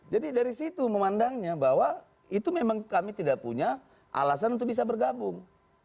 jadi dari situ memandangnya bahwa itu memang kami tidak punya alasan untuk bisa bergabung